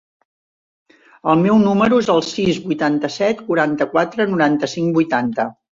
El meu número es el sis, vuitanta-set, quaranta-quatre, noranta-cinc, vuitanta.